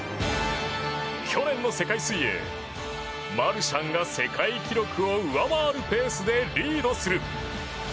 去年の世界水泳マルシャンが世界記録を上回るペースでリードする。